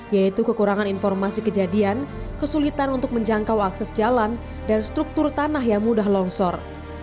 yaitu kekurangan informasi kejadian kesulitan untuk menjangkau akses jalan dan struktur tanah yang mudah longsor